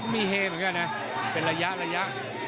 มีเฮเหมือนกันนะเป็นระยะ